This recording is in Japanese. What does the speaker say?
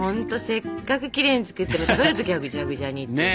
せっかくきれいに作っても食べる時はぐちゃぐちゃにってね。